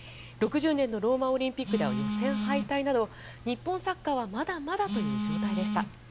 ６０年のローマオリンピックでは予選敗退など日本サッカーはまだまだという状態でした。